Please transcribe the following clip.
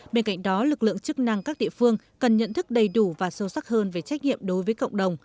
bên cạnh đó lực lượng chức năng các địa phương cần nhận thức đầy đủ và sâu sắc hơn về trách nhiệm đối với cộng đồng